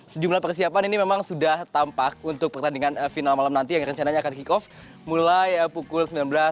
sejumlah persiapan ini memang sudah tampak untuk pertandingan final malam nanti yang rencananya akan kick off mulai pukul sembilan belas